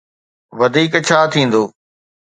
وڌيڪ ڇا ٿيندو؟